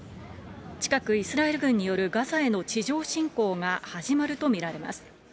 近く、イスラエル軍によるガザへの地上侵攻が始まると見られます。